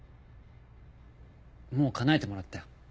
もうかなえてもらったよ。